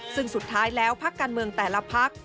ซึ่งสุดท้ายแล้วพักการเมืองแต่ละพัก